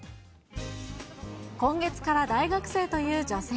今月から大学生という女性。